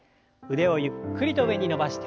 腕をゆっくりと上に伸ばして。